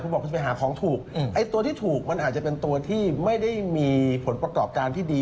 คุณบอกคุณไปหาของถูกไอ้ตัวที่ถูกมันอาจจะเป็นตัวที่ไม่ได้มีผลประกอบการที่ดี